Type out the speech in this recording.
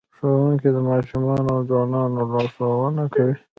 ښوونکی د ماشومانو او ځوانانو لارښوونه کوي.